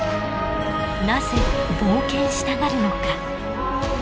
なぜ冒険したがるのか。